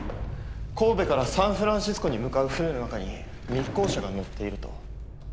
神戸からサンフランシスコに向かう船の中に密航者が乗っていると。